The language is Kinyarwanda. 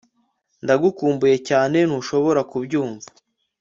ndagukumbuye cyane ntushobora kubyumva